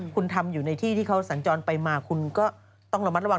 คุณทำอยู่ในที่ที่เขาสัญจรไปมาคุณก็ต้องระมัดระวัง